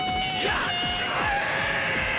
やっちまえ！